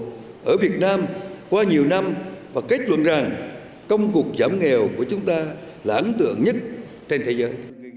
ở việt nam qua nhiều năm và kết luận rằng công cuộc giảm nghèo của chúng ta là ấn tượng nhất trên thế giới